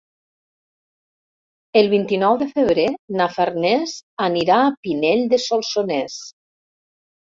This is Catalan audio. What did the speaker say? El vint-i-nou de febrer na Farners anirà a Pinell de Solsonès.